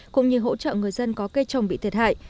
cũng như hỗ trợ người dân có cây trồng bị thiệt hại